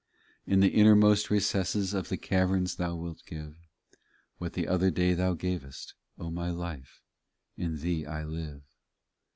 In the innermost recesses Of the caverns Thou wilt give, What the other day Thou gavest, O my life ; in Thee I live.